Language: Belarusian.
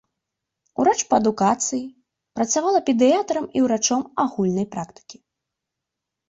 Урач па адукацыі, працавала педыятрам і ўрачом агульнай практыкі.